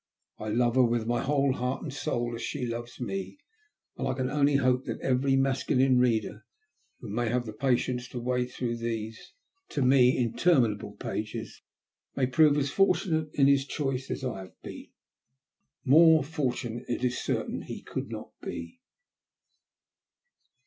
I love her with my whole heart and soul, as she loves me, and I can only hope that every masculine reader who may have the patience to wade through these, to me, interminable pages, may prove as fortunate in his choice as I have been. More fortunate, it is certain, he could not be.